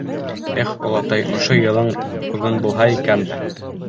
-Эх, олатай, ошо йылың бөгөн булһа икән дә.